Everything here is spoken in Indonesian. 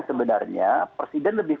sebenarnya presiden lebih